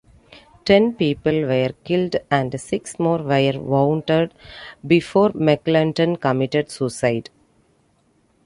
Ten people were killed and six more were wounded before McLendon committed suicide.